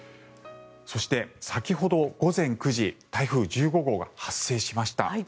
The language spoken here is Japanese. そして、先ほど午前９時台風１５号が発生しました。